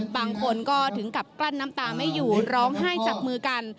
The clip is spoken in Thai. บางคนก็ถึงกับกลั้นน้ำตาไม่อยู่ร้องไห้จับมือกัน